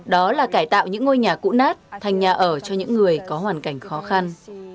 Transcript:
đó là cải tạo những ngôi nhà cũ nát thành nhà ở cho những người có hoàn cảnh khó khăn